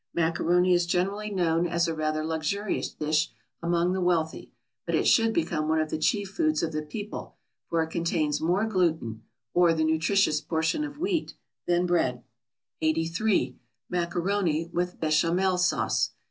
Macaroni is generally known as a rather luxurious dish among the wealthy; but it should become one of the chief foods of the people, for it contains more gluten, or the nutritious portion of wheat, than bread. 83. =Macaroni with Béchamel Sauce.